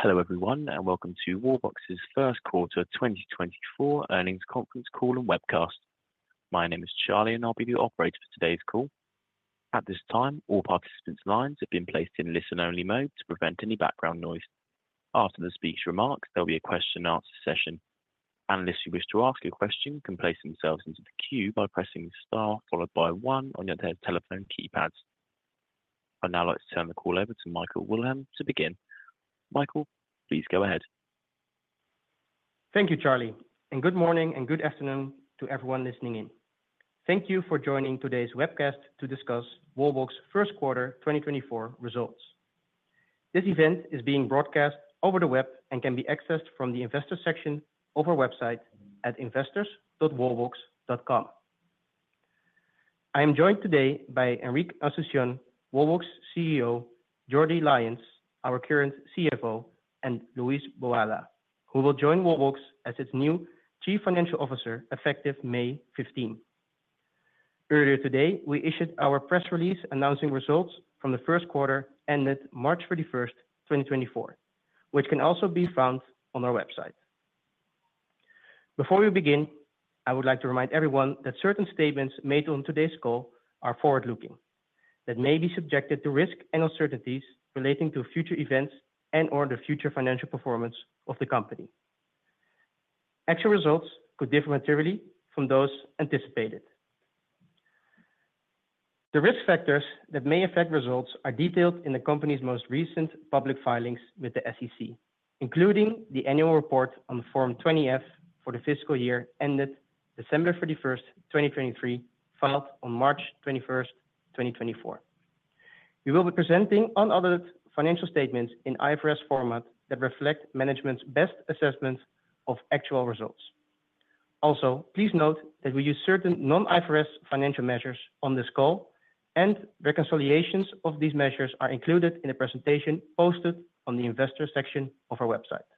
Hello everyone and welcome to Wallbox's first quarter 2024 earnings conference call and webcast. My name is Charlie and I'll be the operator for today's call. At this time, all participants' lines have been placed in listen-only mode to prevent any background noise. After the speech remarks, there'll be a question-and-answer session. Analysts who wish to ask a question can place themselves into the queue by pressing the star followed by one on their telephone keypads. I'd now like to turn the call over to Michael Wilhelm to begin. Michael, please go ahead. Thank you, Charlie, and good morning and good afternoon to everyone listening in. Thank you for joining today's webcast to discuss Wallbox's first quarter 2024 results. This event is being broadcast over the web and can be accessed from the investors section of our website at investors.wallbox.com. I am joined today by Enric Asunción, Wallbox CEO, Jordi Lainz, our current CFO, and Luis Boada, who will join Wallbox as its new Chief Financial Officer effective May 15th. Earlier today, we issued our press release announcing results from the first quarter ended March 31st, 2024, which can also be found on our website. Before we begin, I would like to remind everyone that certain statements made on today's call are forward-looking, that may be subjected to risk and uncertainties relating to future events and/or the future financial performance of the company. Actual results could differ materially from those anticipated. The risk factors that may affect results are detailed in the company's most recent public filings with the SEC, including the annual report on Form 20-F for the fiscal year ended December 31st, 2023, filed on March 21st, 2024. We will be presenting unaudited financial statements in IFRS format that reflect management's best assessments of actual results. Also, please note that we use certain non-IFRS financial measures on this call, and reconciliations of these measures are included in the presentation posted on the investors section of our website.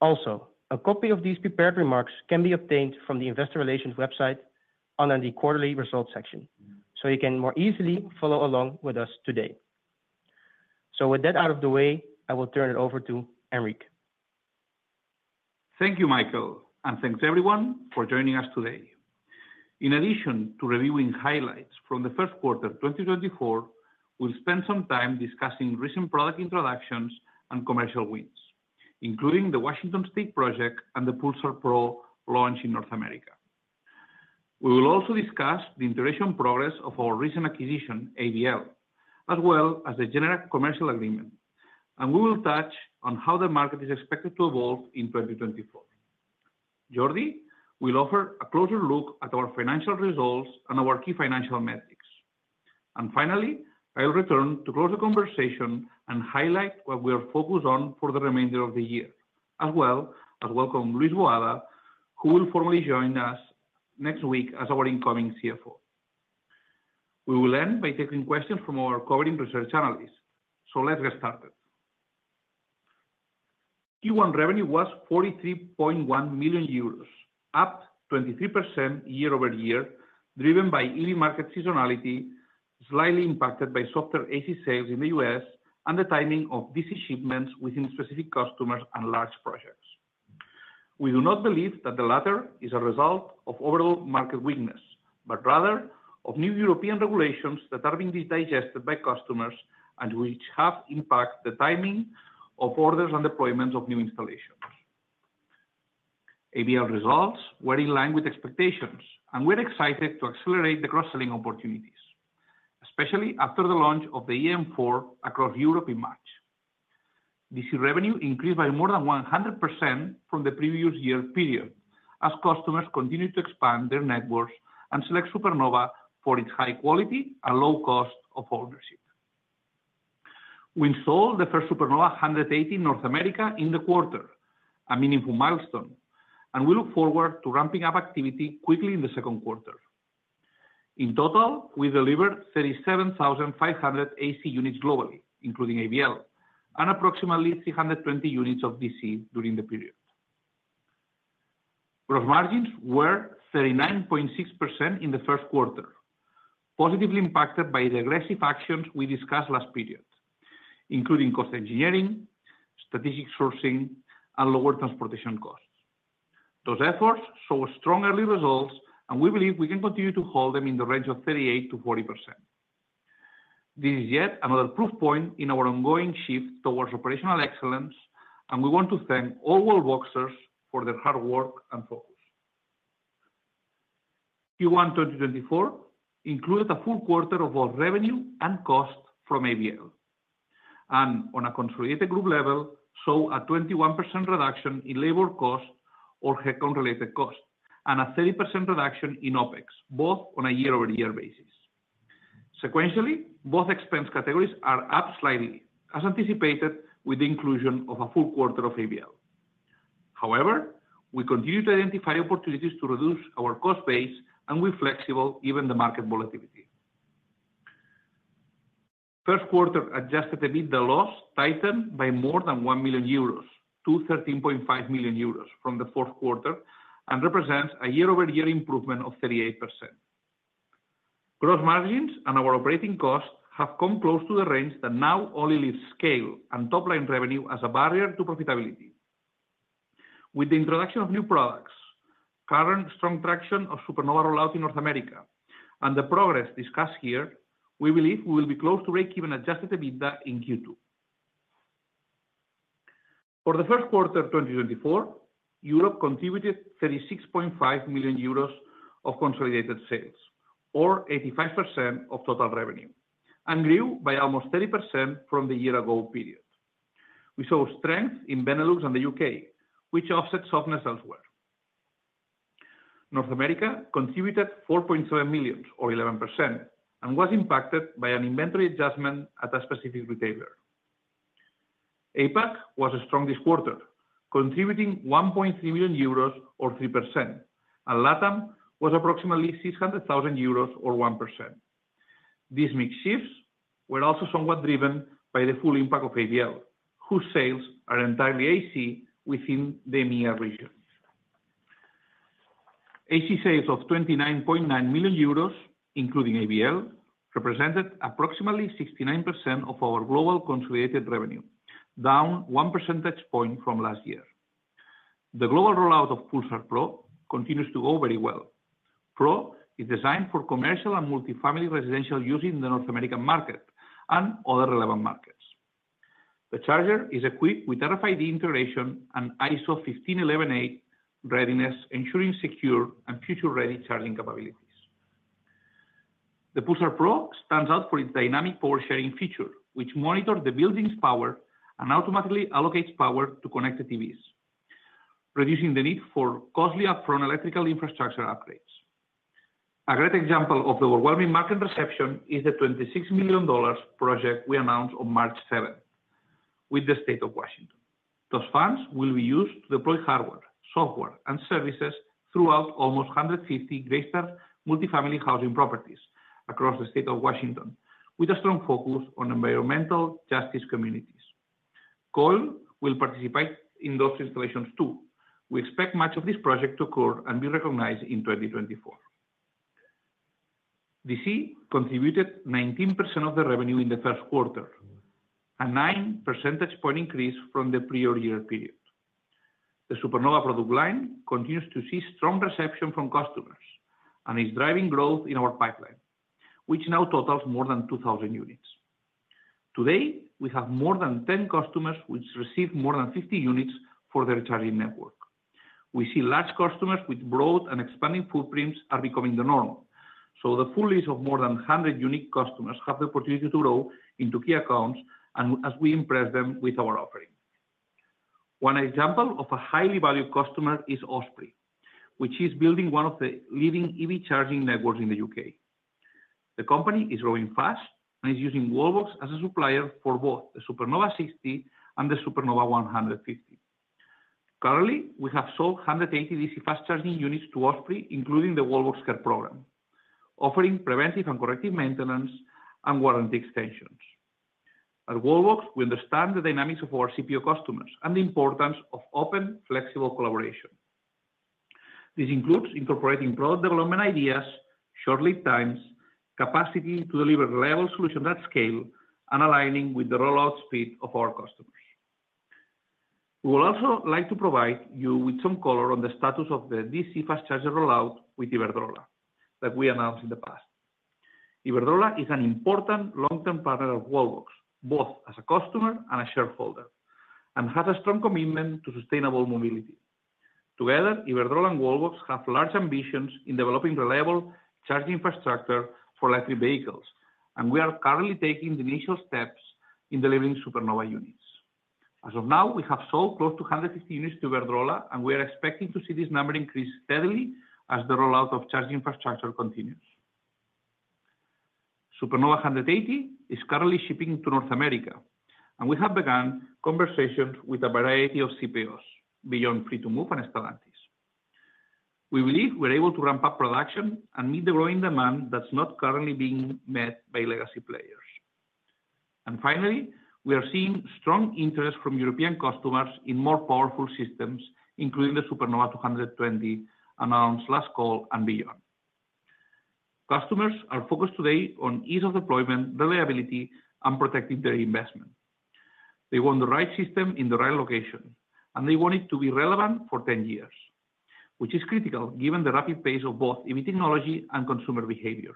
Also, a copy of these prepared remarks can be obtained from the investor relations website under the quarterly results section, so you can more easily follow along with us today. With that out of the way, I will turn it over to Enric. Thank you, Michael, and thanks everyone for joining us today. In addition to reviewing highlights from the first quarter 2024, we'll spend some time discussing recent product introductions and commercial wins, including the Washington State project and the Pulsar Pro launch in North America. We will also discuss the integration progress of our recent acquisition, ABL, as well as the Generac commercial agreement, and we will touch on how the market is expected to evolve in 2024. Jordi, we'll offer a closer look at our financial results and our key financial metrics. And finally, I'll return to close the conversation and highlight what we are focused on for the remainder of the year, as well as welcome Luis Boada, who will formally join us next week as our incoming CFO. We will end by taking questions from our covering research analysts, so let's get started. Q1 revenue was 43.1 million euros, up 23% year-over-year, driven by EV market seasonality, slightly impacted by softer AC sales in the U.S. and the timing of these shipments within specific customers and large projects. We do not believe that the latter is a result of overall market weakness, but rather of new European regulations that are being digested by customers and which have impacted the timing of orders and deployments of new installations. ABL results were in line with expectations, and we're excited to accelerate the cross-selling opportunities, especially after the launch of the eM4 across Europe in March. This revenue increased by more than 100% from the previous year period as customers continue to expand their networks and select Supernova for its high quality and low cost of ownership. We installed the first Supernova 180 in North America in the quarter, a meaningful milestone, and we look forward to ramping up activity quickly in the second quarter. In total, we delivered 37,500 AC units globally, including ABL, and approximately 320 units of DC during the period. Gross margins were 39.6% in the first quarter, positively impacted by the aggressive actions we discussed last period, including cost engineering, strategic sourcing, and lower transportation costs. Those efforts showed strong early results, and we believe we can continue to hold them in the range of 38%-40%. This is yet another proof point in our ongoing shift towards operational excellence, and we want to thank all Wallboxers for their hard work and focus. Q1 2024 included a full quarter of both revenue and cost from ABL, and on a consolidated group level, showed a 21% reduction in labor cost or headcount-related cost and a 30% reduction in OpEx, both on a year-over-year basis. Sequentially, both expense categories are up slightly, as anticipated, with the inclusion of a full quarter of ABL. However, we continue to identify opportunities to reduce our cost base and with flexibility even in the market volatility. First quarter adjusted EBITDA loss tightened by more than 1 million-13.5 million euros from the fourth quarter and represents a year-over-year improvement of 38%. Gross margins and our operating costs have come close to the range that now only leaves scale and top-line revenue as a barrier to profitability. With the introduction of new products, current strong traction of Supernova rollout in North America, and the progress discussed here, we believe we will be close to break-even adjusted EBITDA in Q2. For the first quarter 2024, Europe contributed 36.5 million euros of consolidated sales, or 85% of total revenue, and grew by almost 30% from the year-ago period. We saw strength in Benelux and the U.K., which offset softness elsewhere. North America contributed 4.7 million, or 11%, and was impacted by an inventory adjustment at a specific retailer. APAC was strong this quarter, contributing 1.3 million euros, or 3%, and LatAm was approximately 600,000 euros, or 1%. These mixed shifts were also somewhat driven by the full impact of ABL, whose sales are entirely AC within the EMEA region. AC sales of 29.9 million euros, including ABL, represented approximately 69% of our global consolidated revenue, down one percentage point from last year. The global rollout of Pulsar Pro continues to go very well. Pro is designed for commercial and multifamily residential use in the North American market and other relevant markets. The charger is equipped with RFID integration and ISO 15118 readiness, ensuring secure and future-ready charging capabilities. The Pulsar Pro stands out for its dynamic power-sharing feature, which monitors the building's power and automatically allocates power to connected EVs, reducing the need for costly upfront electrical infrastructure upgrades. A great example of the overwhelming market reception is the $26 million project we announced on March 7th with the state of Washington. Those funds will be used to deploy hardware, software, and services throughout almost 150 Greystar multifamily housing properties across the state of Washington, with a strong focus on environmental justice communities. COIL will participate in those installations, too. We expect much of this project to occur and be recognized in 2024. DC contributed 19% of the revenue in the first quarter, a 9 percentage point increase from the prior year period. The Supernova product line continues to see strong reception from customers and is driving growth in our pipeline, which now totals more than 2,000 units. Today, we have more than 10 customers which receive more than 50 units for their charging network. We see large customers with broad and expanding footprints are becoming the norm, so the full list of more than 100 unique customers have the opportunity to grow into key accounts as we impress them with our offering. One example of a highly valued customer is Osprey, which is building one of the leading EV charging networks in the U.K. The company is growing fast and is using Wallbox as a supplier for both the Supernova 60 and the Supernova 150. Currently, we have sold 180 DC fast-charging units to Osprey, including the Wallbox Care Program, offering preventive and corrective maintenance and warranty extensions. At Wallbox, we understand the dynamics of our CPO customers and the importance of open, flexible collaboration. This includes incorporating product development ideas, short lead times, capacity to deliver reliable solutions at scale, and aligning with the rollout speed of our customers. We would also like to provide you with some color on the status of the DC fast-charger rollout with Iberdrola that we announced in the past. Iberdrola is an important long-term partner of Wallbox, both as a customer and a shareholder, and has a strong commitment to sustainable mobility. Together, Iberdrola and Wallbox have large ambitions in developing reliable charging infrastructure for electric vehicles, and we are currently taking the initial steps in delivering Supernova units. As of now, we have sold close to 150 units to Iberdrola, and we are expecting to see this number increase steadily as the rollout of charging infrastructure continues. Supernova 180 is currently shipping to North America, and we have begun conversations with a variety of CPOs beyond Free2Move and Stellantis. We believe we're able to ramp up production and meet the growing demand that's not currently being met by legacy players. Finally, we are seeing strong interest from European customers in more powerful systems, including the Supernova 220 announced last call and beyond. Customers are focused today on ease of deployment, reliability, and protecting their investment. They want the right system in the right location, and they want it to be relevant for 10 years, which is critical given the rapid pace of both EV technology and consumer behavior.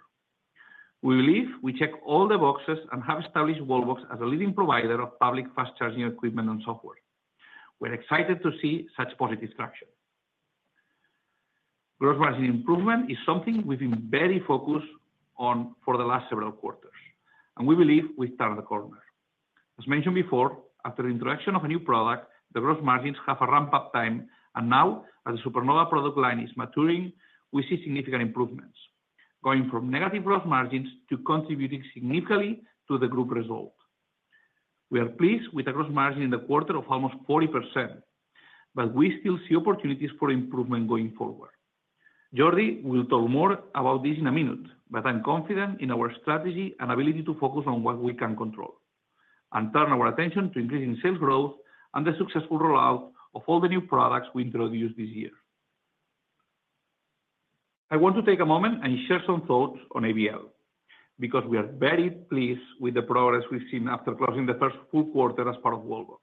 We believe we checked all the boxes and have established Wallbox as a leading provider of public fast-charging equipment and software. We're excited to see such positive traction. Gross margin improvement is something we've been very focused on for the last several quarters, and we believe we've turned the corner. As mentioned before, after the introduction of a new product, the gross margins have a ramp-up time, and now, as the Supernova product line is maturing, we see significant improvements, going from negative gross margins to contributing significantly to the group result. We are pleased with a gross margin in the quarter of almost 40%, but we still see opportunities for improvement going forward. Jordi will talk more about this in a minute, but I'm confident in our strategy and ability to focus on what we can control and turn our attention to increasing sales growth and the successful rollout of all the new products we introduced this year. I want to take a moment and share some thoughts on ABL because we are very pleased with the progress we've seen after closing the first full quarter as part of Wallbox.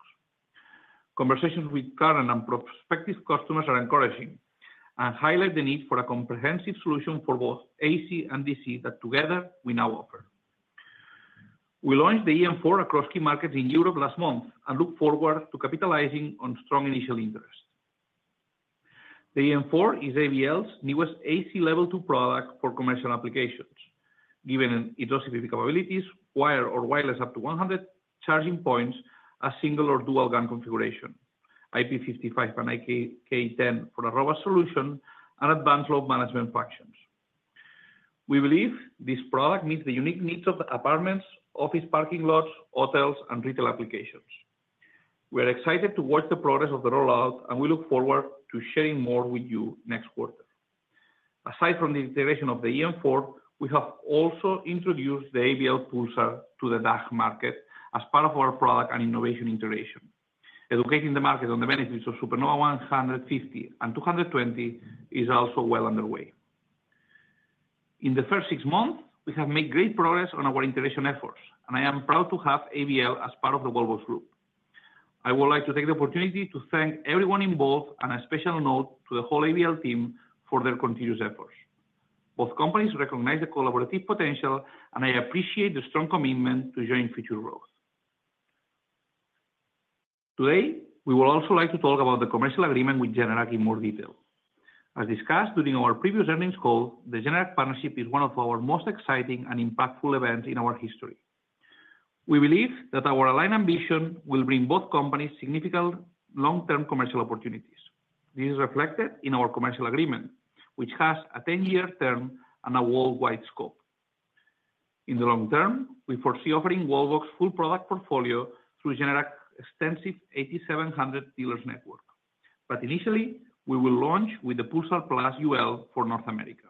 Conversations with current and prospective customers are encouraging and highlight the need for a comprehensive solution for both AC and DC that together we now offer. We launched the eM4 across key markets in Europe last month and look forward to capitalizing on strong initial interest. The eM4 is ABL's newest AC Level 2 product for commercial applications, given its OCPP capabilities, wired or wireless up to 100 charging points as single or dual gun configuration, IP55 and IK10 for a robust solution, and advanced load management functions. We believe this product meets the unique needs of apartments, office parking lots, hotels, and retail applications. We are excited to watch the progress of the rollout, and we look forward to sharing more with you next quarter. Aside from the integration of the eM4, we have also introduced the ABL Pulsar to the DACH market as part of our product and innovation integration. Educating the market on the benefits of Supernova 150 and 220 is also well underway. In the first six months, we have made great progress on our integration efforts, and I am proud to have ABL as part of the Wallbox Group. I would like to take the opportunity to thank everyone involved and a special note to the whole ABL team for their continuous efforts. Both companies recognize the collaborative potential, and I appreciate the strong commitment to joint future growth. Today, we would also like to talk about the commercial agreement with Generac in more detail. As discussed during our previous earnings call, the Generac partnership is one of our most exciting and impactful events in our history. We believe that our aligned ambition will bring both companies significant long-term commercial opportunities. This is reflected in our commercial agreement, which has a 10-year term and a worldwide scope. In the long term, we foresee offering Wallbox's full product portfolio through Generac's extensive 8,700 dealers network, but initially, we will launch with the Pulsar Plus UL for North America.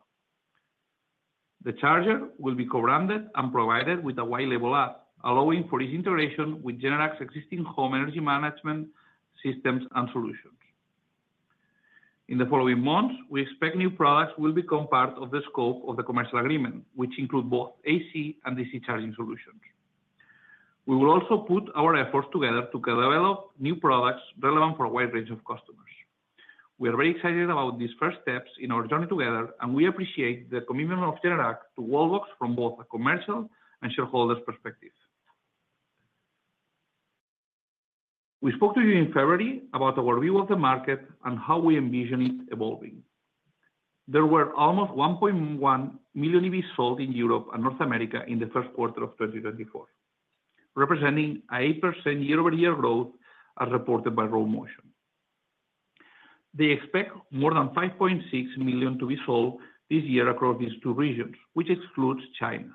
The charger will be co-branded and provided with a Wallbox app, allowing for its integration with Generac's existing home energy management systems and solutions. In the following months, we expect new products will become part of the scope of the commercial agreement, which include both AC and DC charging solutions. We will also put our efforts together to develop new products relevant for a wide range of customers. We are very excited about these first steps in our journey together, and we appreciate the commitment of Generac to Wallbox from both a commercial and shareholder perspective. We spoke to you in February about our view of the market and how we envision it evolving. There were almost 1.1 million EVs sold in Europe and North America in the first quarter of 2024, representing an 8% year-over-year growth as reported by Rho Motion. They expect more than 5.6 million to be sold this year across these two regions, which excludes China,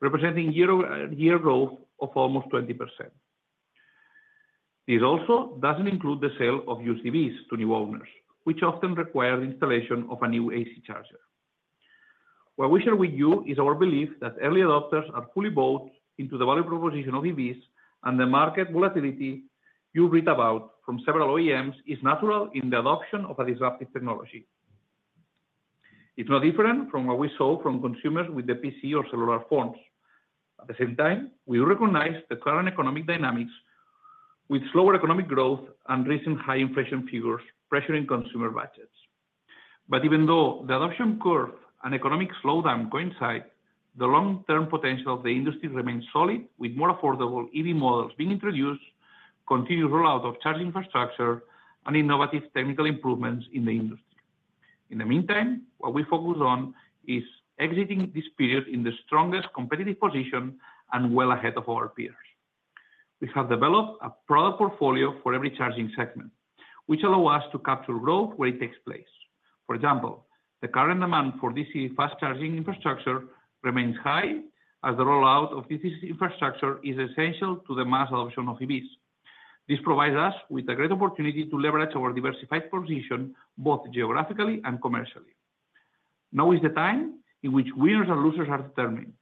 representing year-over-year growth of almost 20%. This also doesn't include the sale of used EVs to new owners, which often require the installation of a new AC charger. What we share with you is our belief that early adopters are fully bought into the value proposition of EVs, and the market volatility you read about from several OEMs is natural in the adoption of a disruptive technology. It's no different from what we saw from consumers with the PC or cellular phones. At the same time, we do recognize the current economic dynamics with slower economic growth and recent high inflation figures pressuring consumer budgets. But even though the adoption curve and economic slowdown coincide, the long-term potential of the industry remains solid, with more affordable EV models being introduced, continued rollout of charging infrastructure, and innovative technical improvements in the industry. In the meantime, what we focus on is exiting this period in the strongest competitive position and well ahead of our peers. We have developed a product portfolio for every charging segment, which allows us to capture growth where it takes place. For example, the current demand for DC fast-charging infrastructure remains high, as the rollout of DC infrastructure is essential to the mass adoption of EVs. This provides us with a great opportunity to leverage our diversified position both geographically and commercially. Now is the time in which winners and losers are determined,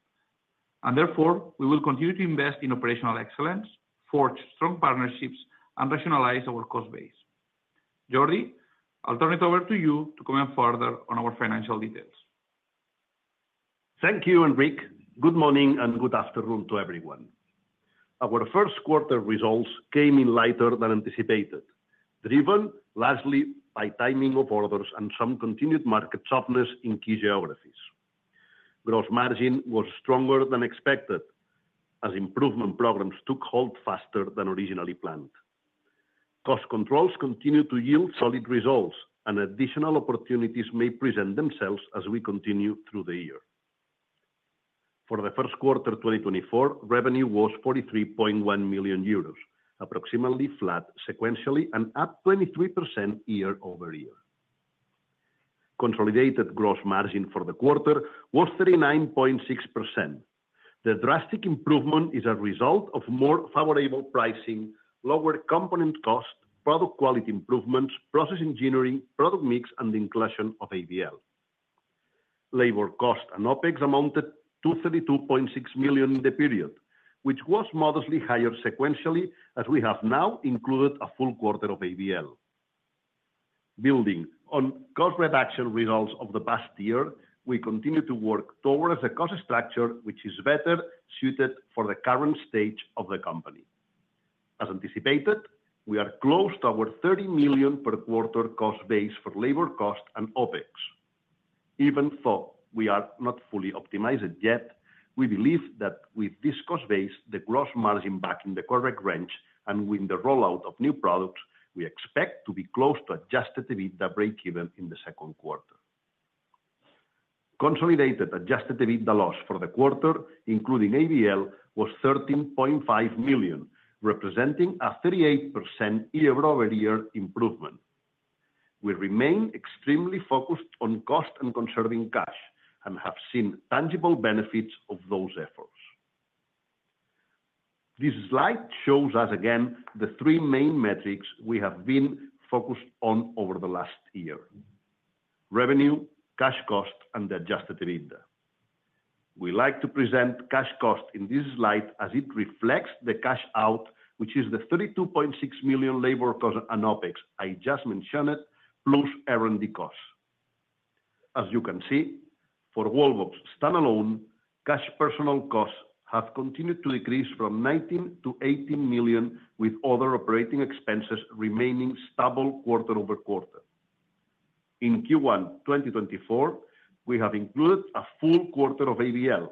and therefore, we will continue to invest in operational excellence, forge strong partnerships, and rationalize our cost base. Jordi, I'll turn it over to you to comment further on our financial details. Thank you, Enric. Good morning and good afternoon to everyone. Our first quarter results came in lighter than anticipated, driven largely by timing of orders and some continued market softness in key geographies. Gross margin was stronger than expected as improvement programs took hold faster than originally planned. Cost controls continue to yield solid results, and additional opportunities may present themselves as we continue through the year. For the first quarter 2024, revenue was 43.1 million euros, approximately flat sequentially and up 23% year-over-year. Consolidated gross margin for the quarter was 39.6%. The drastic improvement is a result of more favorable pricing, lower component cost, product quality improvements, process engineering, product mix, and the inclusion of ABL. Labor cost and OpEx amounted to 32.6 million in the period, which was modestly higher sequentially as we have now included a full quarter of ABL. Building on cost reduction results of the past year, we continue to work towards a cost structure which is better suited for the current stage of the company. As anticipated, we are close to our 30 million per quarter cost base for labor cost and OpEx. Even though we are not fully optimized yet, we believe that with this cost base, the gross margin back in the correct range, and with the rollout of new products, we expect to be close to adjusted EBITDA break-even in the second quarter. Consolidated adjusted EBITDA loss for the quarter, including ABL, was 13.5 million, representing a 38% year-over-year improvement. We remain extremely focused on cost and conserving cash and have seen tangible benefits of those efforts. This slide shows us again the three main metrics we have been focused on over the last year: revenue, cash cost, and the adjusted EBITDA. We like to present cash cost in this slide as it reflects the cash out, which is the 32.6 million labor cost and OpEx I just mentioned, plus R&D cost. As you can see, for Wallbox standalone, cash personal costs have continued to decrease from 19 million-18 million, with other operating expenses remaining stable quarter-over-quarter. In Q1 2024, we have included a full quarter of ABL,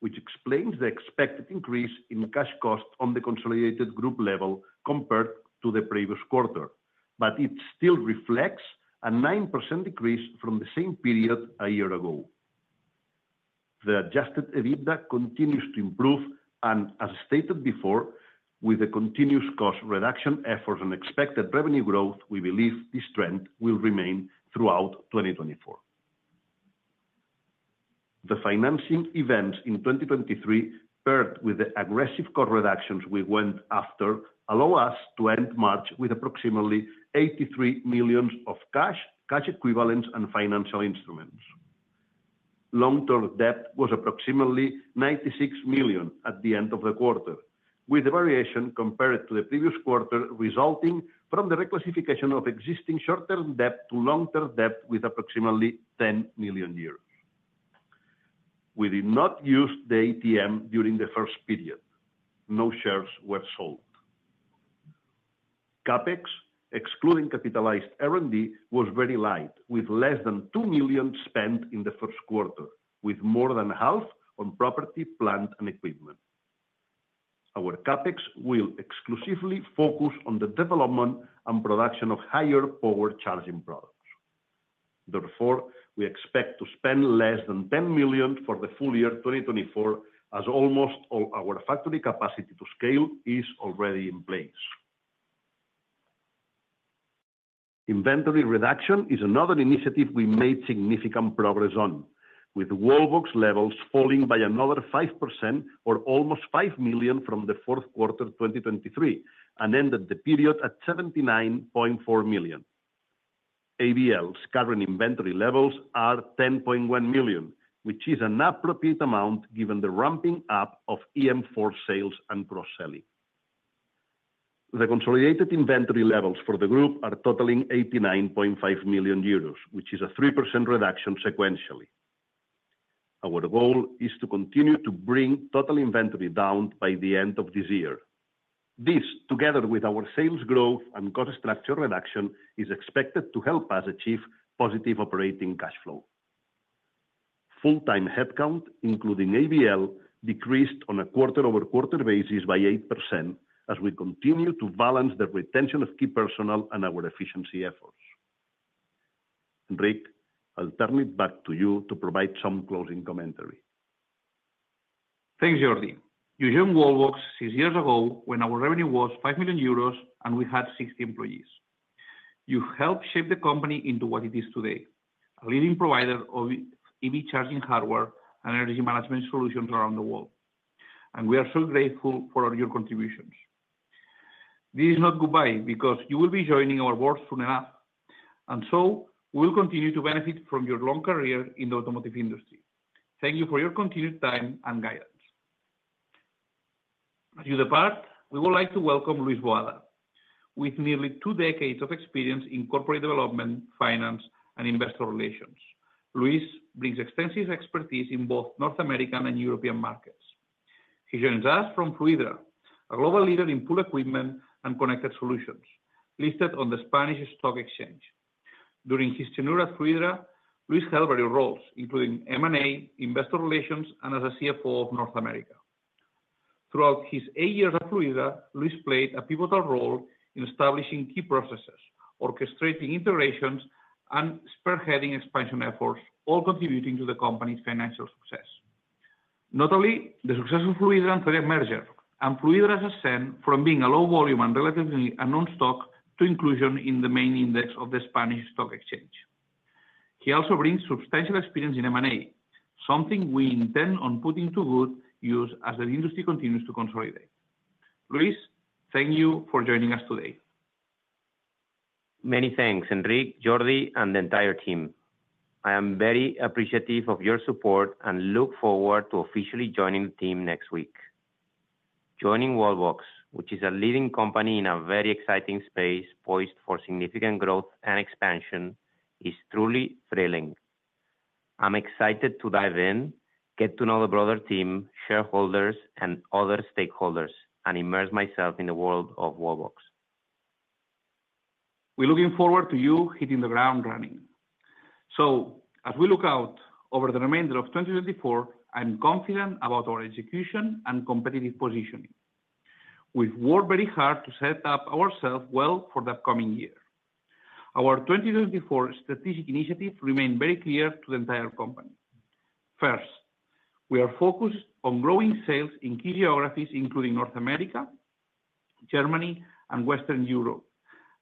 which explains the expected increase in cash cost on the consolidated group level compared to the previous quarter, but it still reflects a 9% decrease from the same period a year ago. The adjusted EBITDA continues to improve, and as stated before, with the continuous cost reduction efforts and expected revenue growth, we believe this trend will remain throughout 2024. The financing events in 2023, paired with the aggressive cost reductions we went after, allow us to end March with approximately 83 million of cash, cash equivalents, and financial instruments. Long-term debt was approximately 96 million at the end of the quarter, with the variation compared to the previous quarter resulting from the reclassification of existing short-term debt to long-term debt with approximately 10 million euros. We did not use the ATM during the first period. No shares were sold. CapEx, excluding capitalized R&D, was very light, with less than 2 million spent in the first quarter, with more than half on property, plant, and equipment. Our CapEx will exclusively focus on the development and production of higher power charging products. Therefore, we expect to spend less than 10 million for the full year 2024, as almost all our factory capacity to scale is already in place. Inventory reduction is another initiative we made significant progress on, with Wallbox levels falling by another 5% or almost 5 million from the fourth quarter 2023 and ended the period at 79.4 million. ABL's current inventory levels are 10.1 million, which is an appropriate amount given the ramping up of eM4 sales and cross-selling. The consolidated inventory levels for the group are totaling 89.5 million euros, which is a 3% reduction sequentially. Our goal is to continue to bring total inventory down by the end of this year. This, together with our sales growth and cost structure reduction, is expected to help us achieve positive operating cash flow. Full-time headcount, including ABL, decreased on a quarter-over-quarter basis by 8% as we continue to balance the retention of key personnel and our efficiency efforts. Enric, I'll turn it back to you to provide some closing commentary. Thanks, Jordi. You joined Wallbox six years ago when our revenue was 5 million euros and we had 60 employees. You helped shape the company into what it is today: a leading provider of EV charging hardware and energy management solutions around the world, and we are so grateful for all your contributions. This is not goodbye because you will be joining our board soon enough, and so we will continue to benefit from your long career in the automotive industry. Thank you for your continued time and guidance. As you depart, we would like to welcome Luis Boada, with nearly two decades of experience in corporate development, finance, and investor relations. Luis brings extensive expertise in both North American and European markets. He joins us from Fluidra, a global leader in pool equipment and connected solutions listed on the Spanish Stock Exchange. During his tenure at Fluidra, Luis held various roles, including M&A, investor relations, and as a CFO of North America. Throughout his eight years at Fluidra, Luis played a pivotal role in establishing key processes, orchestrating integrations, and spearheading expansion efforts, all contributing to the company's financial success. Notably, the success of Fluidra and Zodiac merger and Fluidra's ascent from being a low volume and relatively unknown stock to inclusion in the main index of the Spanish Stock Exchange. He also brings substantial experience in M&A, something we intend on putting to good use as the industry continues to consolidate. Luis, thank you for joining us today. Many thanks, Enric, Jordi, and the entire team. I am very appreciative of your support and look forward to officially joining the team next week. Joining Wallbox, which is a leading company in a very exciting space poised for significant growth and expansion, is truly thrilling. I'm excited to dive in, get to know the broader team, shareholders, and other stakeholders, and immerse myself in the world of Wallbox. We're looking forward to you hitting the ground running. So, as we look out over the remainder of 2024, I'm confident about our execution and competitive positioning. We've worked very hard to set up ourselves well for the upcoming year. Our 2024 strategic initiatives remain very clear to the entire company. First, we are focused on growing sales in key geographies, including North America, Germany, and Western Europe,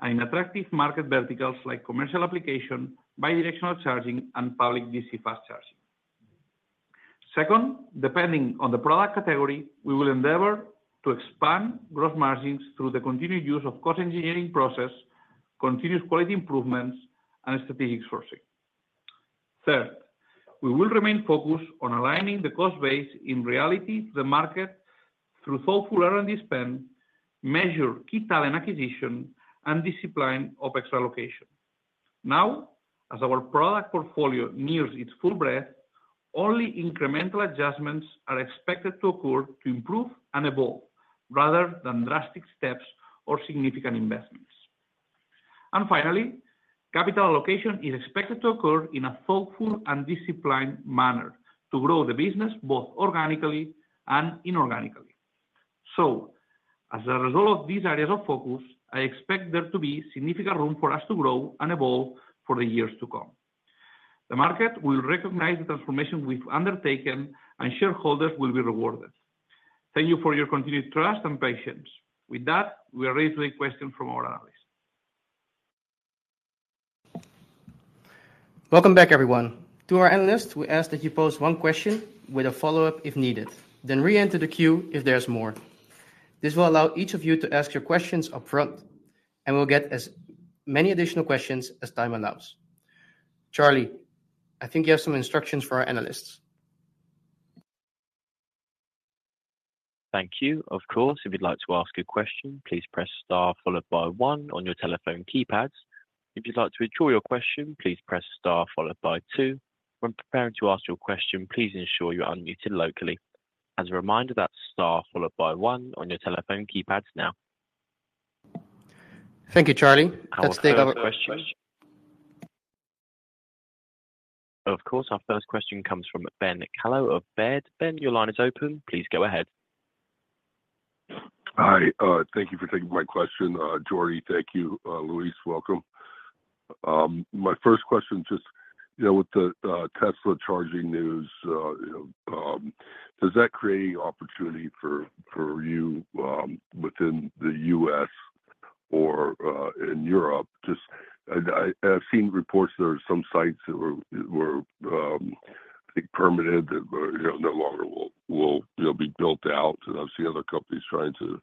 and in attractive market verticals like commercial application, bidirectional charging, and public DC fast charging. Second, depending on the product category, we will endeavor to expand gross margins through the continued use of cost engineering process, continuous quality improvements, and strategic sourcing. Third, we will remain focused on aligning the cost base in reality to the market through thoughtful R&D spend, measured key talent acquisition, and discipline of capital allocation. Now, as our product portfolio nears its full breadth, only incremental adjustments are expected to occur to improve and evolve rather than drastic steps or significant investments. Finally, capital allocation is expected to occur in a thoughtful and disciplined manner to grow the business both organically and inorganically. As a result of these areas of focus, I expect there to be significant room for us to grow and evolve for the years to come. The market will recognize the transformation we've undertaken, and shareholders will be rewarded. Thank you for your continued trust and patience. With that, we are ready to take questions from our analysts. Welcome back, everyone. To our analysts, we ask that you pose one question with a follow-up if needed, then re-enter the queue if there's more. This will allow each of you to ask your questions upfront, and we'll get as many additional questions as time allows. Charlie, I think you have some instructions for our analysts. Thank you. Of course, if you'd like to ask a question, please press star followed by one on your telephone keypads. If you'd like to withdraw your question, please press star followed by two. When preparing to ask your question, please ensure you're unmuted locally. As a reminder, that's star followed by one on your telephone keypads now. Thank you, Charlie. Let's take our question. Of course. Our first question comes from Ben Kallo of Baird. Ben, your line is open. Please go ahead. Hi. Thank you for taking my question. Jordi, thank you. Luis, welcome. My first question is just, with the Tesla charging news, does that create any opportunity for you within the U.S. or in Europe? I've seen reports there are some sites that were, I think, permitted that no longer will be built out. I've seen other companies trying to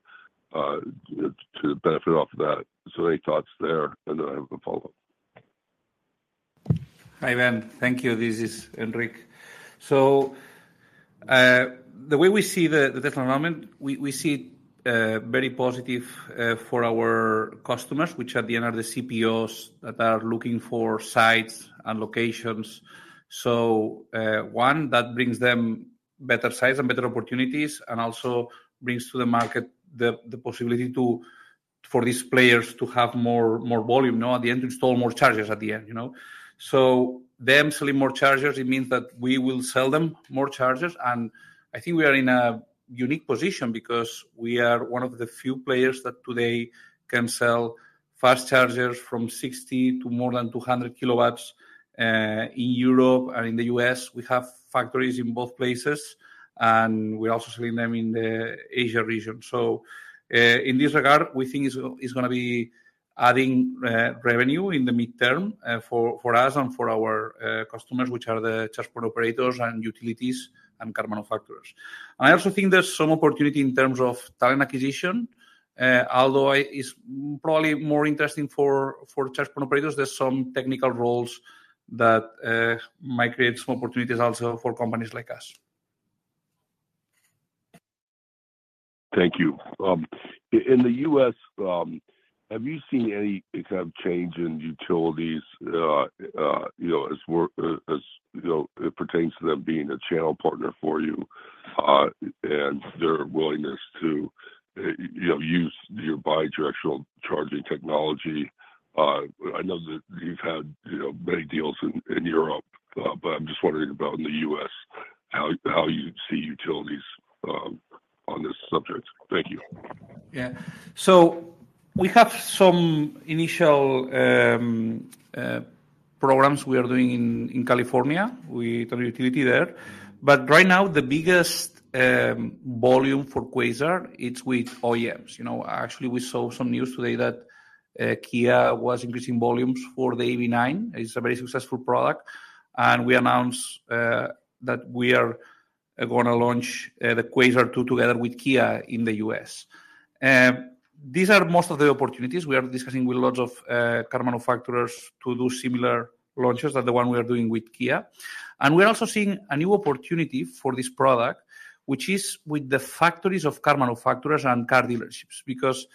benefit off of that. So, any thoughts there? And then I have a follow-up. Hi, Ben. Thank you. This is Enric. So, the way we see the Tesla environment, we see it very positive for our customers, which at the end are the CPOs that are looking for sites and locations. So, one, that brings them better sites and better opportunities and also brings to the market the possibility for these players to have more volume, at the end to install more chargers at the end. So, them selling more chargers, it means that we will sell them more chargers. And I think we are in a unique position because we are one of the few players that today can sell fast chargers from 60 kW to more than 200 kW in Europe and in the U.S. We have factories in both places, and we're also selling them in the Asia region. So, in this regard, we think it's going to be adding revenue in the midterm for us and for our customers, which are the charge point operators and utilities and car manufacturers. I also think there's some opportunity in terms of talent acquisition, although it's probably more interesting for charge point operators. There's some technical roles that might create some opportunities also for companies like us. Thank you. In the U.S., have you seen any kind of change in utilities as it pertains to them being a channel partner for you and their willingness to use your bidirectional charging technology? I know that you've had many deals in Europe, but I'm just wondering about in the U.S. how you see utilities on this subject. Thank you. Yeah. So, we have some initial programs we are doing in California with our utility there. But right now, the biggest volume for Quasar, it's with OEMs. Actually, we saw some news today that Kia was increasing volumes for the EV9. It's a very successful product. And we announced that we are going to launch the Quasar 2 together with Kia in the U.S. These are most of the opportunities. We are discussing with lots of car manufacturers to do similar launches than the one we are doing with Kia. And we're also seeing a new opportunity for this product, which is with the factories of car manufacturers and car dealerships because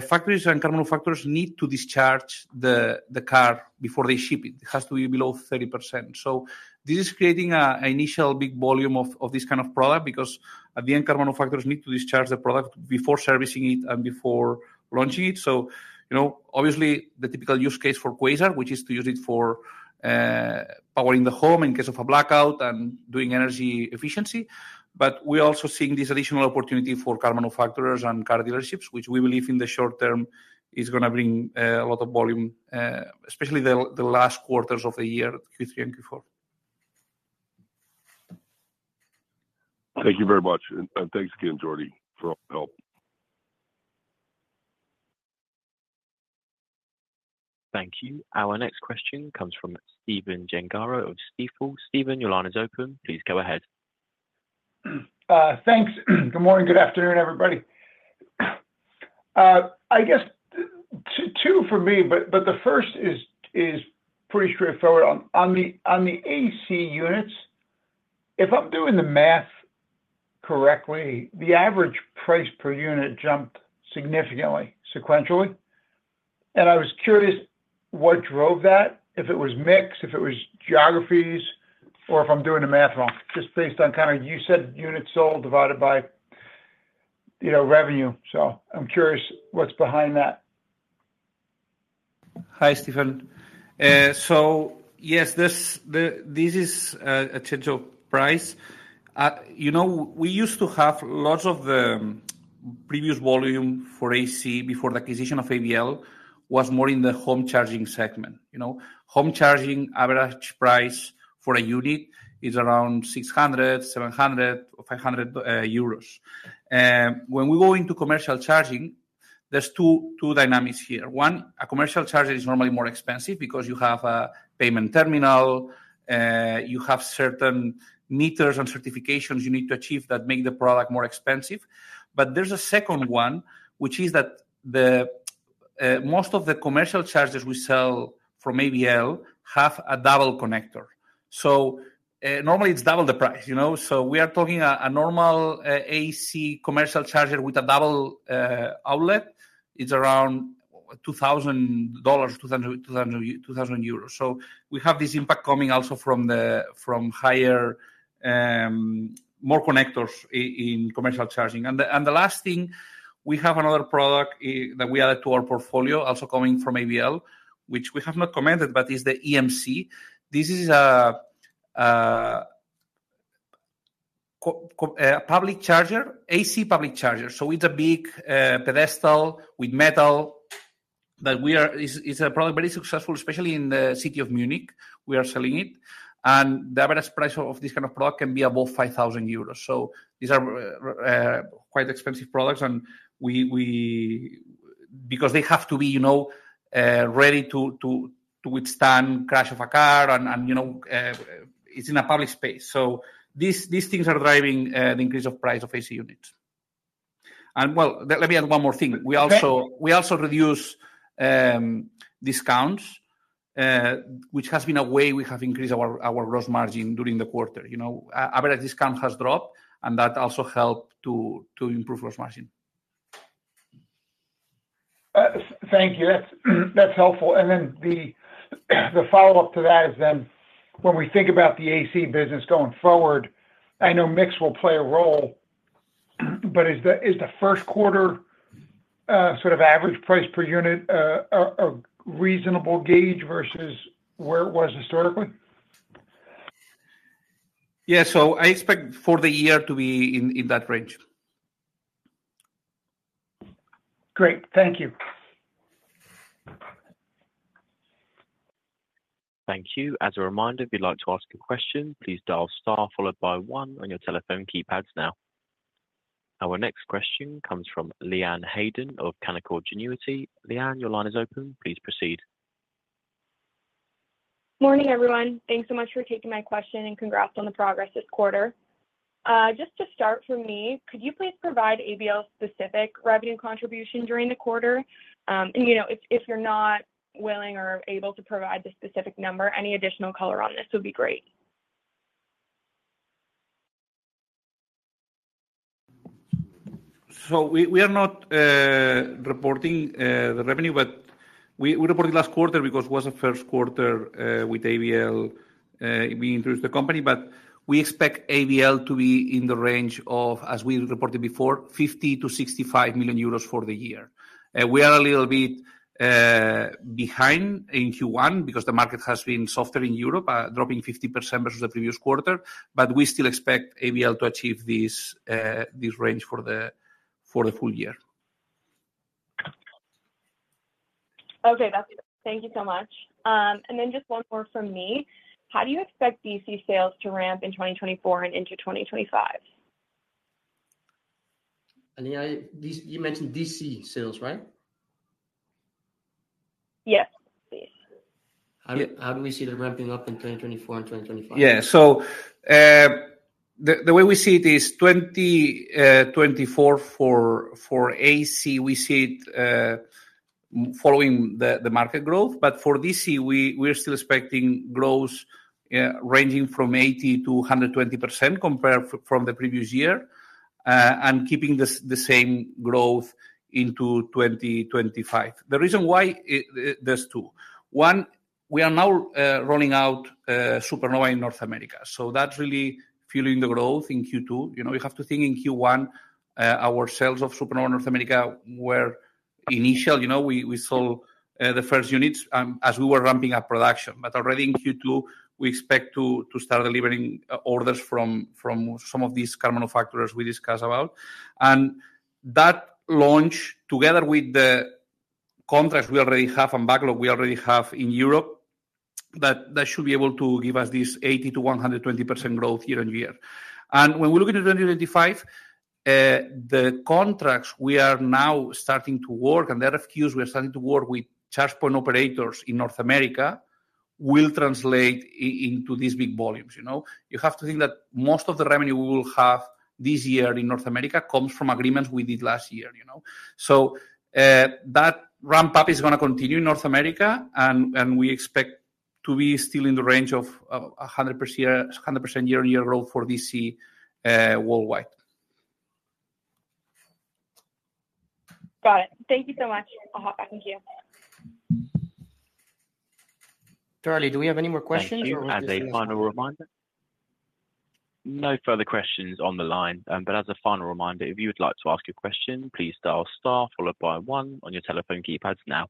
factories and car manufacturers need to discharge the car before they ship it. It has to be below 30%. So, this is creating an initial big volume of this kind of product because, at the end, car manufacturers need to discharge the product before servicing it and before launching it. So, obviously, the typical use case for Quasar, which is to use it for powering the home in case of a blackout and doing energy efficiency. But we're also seeing this additional opportunity for car manufacturers and car dealerships, which we believe in the short term is going to bring a lot of volume, especially the last quarters of the year, Q3 and Q4. Thank you very much. Thanks again, Jordi, for all the help. Thank you. Our next question comes from Stephen Gengaro of Stifel. Stephen, your line is open. Please go ahead. Thanks. Good morning. Good afternoon, everybody. I guess two for me, but the first is pretty straightforward. On the AC units, if I'm doing the math correctly, the average price per unit jumped significantly sequentially. And I was curious what drove that, if it was mix, if it was geographies, or if I'm doing the math wrong, just based on kind of you said units sold divided by revenue? So, I'm curious what's behind that? Hi, Stephen. So, yes, this is a change of price. We used to have lots of the previous volume for AC before the acquisition of ABL was more in the home charging segment. Home charging average price for a unit is around 600, 700, or 500 euros. When we go into commercial charging, there's two dynamics here. One, a commercial charger is normally more expensive because you have a payment terminal. You have certain meters and certifications you need to achieve that make the product more expensive. But there's a second one, which is that most of the commercial chargers we sell from ABL have a double connector. So, normally, it's double the price. So, we are talking a normal AC commercial charger with a double outlet. It's around EUR 2,000. So, we have this impact coming also from higher, more connectors in commercial charging. And the last thing, we have another product that we added to our portfolio, also coming from ABL, which we have not commented, but is the eMC. This is a public charger, AC public charger. So, it's a big pedestal with metal that we are. It's a product very successful, especially in the city of Munich. We are selling it. And the average price of this kind of product can be above 5,000 euros. So, these are quite expensive products because they have to be ready to withstand crash of a car. And it's in a public space. So, these things are driving the increase of price of AC units. And, well, let me add one more thing. We also reduce discounts, which has been a way we have increased our gross margin during the quarter. Average discount has dropped, and that also helped to improve gross margin. Thank you. That's helpful. And then the follow-up to that is then when we think about the AC business going forward, I know mix will play a role, but is the first quarter sort of average price per unit a reasonable gauge versus where it was historically? Yeah. I expect for the year to be in that range. Great. Thank you. Thank you. As a reminder, if you'd like to ask a question, please dial star followed by one on your telephone keypads now. Our next question comes from Leanne Hayden of Canaccord Genuity. Leanne, your line is open. Please proceed. Morning, everyone. Thanks so much for taking my question, and congrats on the progress this quarter. Just to start for me, could you please provide ABL-specific revenue contribution during the quarter? And if you're not willing or able to provide the specific number, any additional color on this would be great. We are not reporting the revenue, but we reported last quarter because it was the first quarter with ABL. We introduced the company. We expect ABL to be in the range of, as we reported before, 50 million-65 million euros for the year. We are a little bit behind in Q1 because the market has been softer in Europe, dropping 50% versus the previous quarter. We still expect ABL to achieve this range for the full year. Okay. Thank you so much. And then just one more from me. How do you expect DC sales to ramp in 2024 and into 2025? I mean, you mentioned DC sales, right? Yes, please. How do we see that ramping up in 2024 and 2025? Yeah. So, the way we see it is 2024 for AC, we see it following the market growth. But for DC, we're still expecting growth ranging from 80%-120% compared from the previous year and keeping the same growth into 2025. The reason why there's two. One, we are now rolling out Supernova in North America. So, that's really fueling the growth in Q2. You have to think in Q1, our sales of Supernova in North America were initial. We sold the first units as we were ramping up production. But already in Q2, we expect to start delivering orders from some of these car manufacturers we discussed about. And that launch, together with the contracts we already have and backlog we already have in Europe, that should be able to give us this 80%-120% growth year on year. When we look into 2025, the contracts we are now starting to work and the RFQs we are starting to work with charge point operators in North America will translate into these big volumes. You have to think that most of the revenue we will have this year in North America comes from agreements we did last year. That ramp-up is going to continue in North America, and we expect to be still in the range of 100% year-on-year growth for DC worldwide. Got it. Thank you so much. I'll hop back to queue. Charlie, do we have any more questions? Thank you. As a final reminder, no further questions on the line. But as a final reminder, if you would like to ask a question, please dial star followed by one on your telephone keypads now.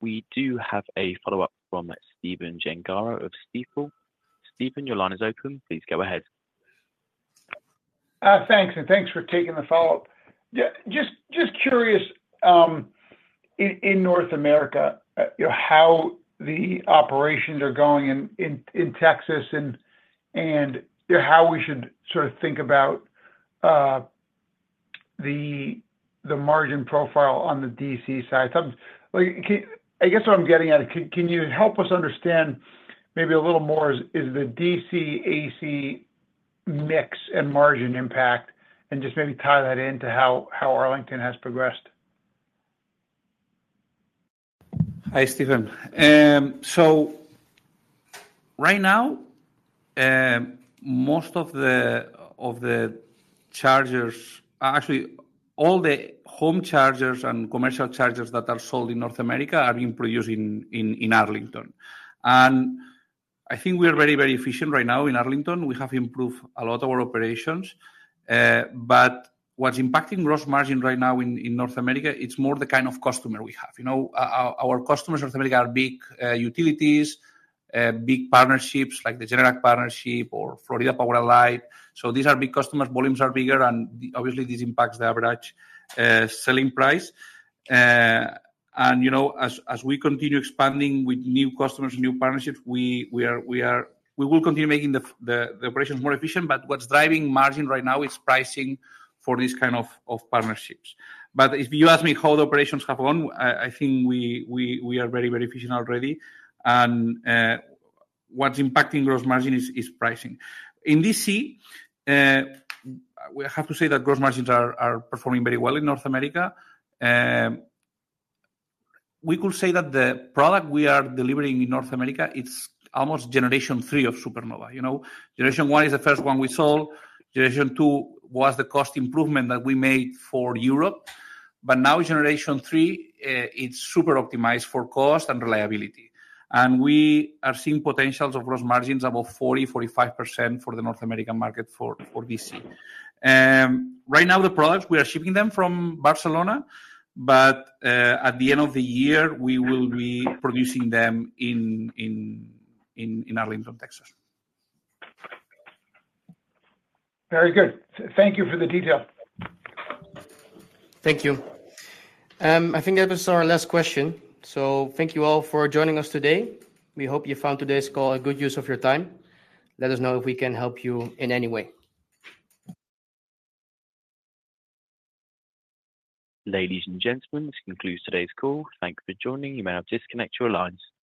We do have a follow-up from Stephen Gengaro of Stifel. Stephen, your line is open. Please go ahead. Thanks. And thanks for taking the follow-up. Just curious in North America how the operations are going in Texas and how we should sort of think about the margin profile on the DC side. I guess what I'm getting at, can you help us understand maybe a little more? Is the DC-AC mix and margin impact and just maybe tie that into how Arlington has progressed? Hi, Stephen. Right now, most of the chargers, actually, all the home chargers and commercial chargers that are sold in North America are being produced in Arlington. I think we are very, very efficient right now in Arlington. We have improved a lot of our operations. What's impacting gross margin right now in North America, it's more the kind of customer we have. Our customers in North America are big utilities, big partnerships like the Generac partnership or Florida Power & Light. These are big customers. Volumes are bigger. Obviously, this impacts the average selling price. As we continue expanding with new customers, new partnerships, we will continue making the operations more efficient. What's driving margin right now is pricing for this kind of partnerships. If you ask me how the operations have gone, I think we are very, very efficient already. What's impacting gross margin is pricing. In DC, we have to say that gross margins are performing very well in North America. We could say that the product we are delivering in North America, it's almost generation three of Supernova. Generation one is the first one we sold. Generation two was the cost improvement that we made for Europe. But now, generation three, it's super optimized for cost and reliability. And we are seeing potentials of gross margins above 40%-45% for the North American market for DC. Right now, the products, we are shipping them from Barcelona. But at the end of the year, we will be producing them in Arlington, Texas. Very good. Thank you for the detail. Thank you. I think that was our last question. So, thank you all for joining us today. We hope you found today's call a good use of your time. Let us know if we can help you in any way. Ladies and gentlemen, this concludes today's call. Thanks for joining. You may now disconnect your lines.